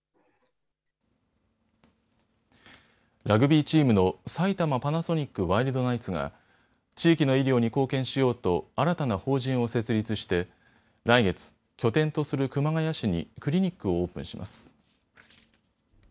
ラグビーチームの埼玉パナソニックワイルドナイツが地域の医療に貢献しようと新たな法人を設立して来月、拠点とする熊谷市にクリニックをオープンします。